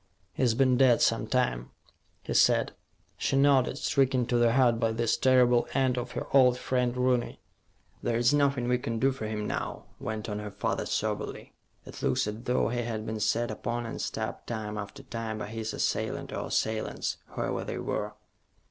"He's been dead some time," he said. She nodded, stricken to the heart by this terrible end of her old friend Rooney. "There's nothing we can do for him, now," went on her father soberly. "It looks as though he had been set upon and stabbed time after time by his assailant or assailants, whoever they were."